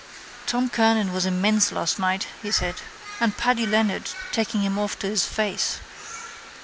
—Tom Kernan was immense last night, he said. And Paddy Leonard taking him off to his face.